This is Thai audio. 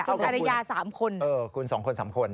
เข้ากับคุณคุณสองคนสามคนเออคุณสองคนสามคน